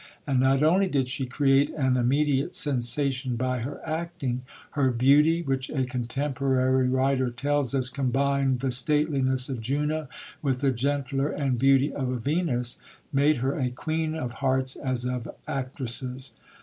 And not only did she create an immediate sensation by her acting; her beauty, which a contemporary writer tells us, "combined the stateliness of Juno with the gentler and beauty of a Venus," made her a Queen of Hearts as of actresses.